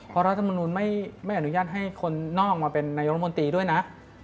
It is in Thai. เพราะรัฐมนุนไม่อนุญาตให้คนนอกมาเป็นนายกรมนตรีด้วยนะ